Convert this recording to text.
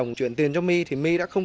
em chuyển là cho chồng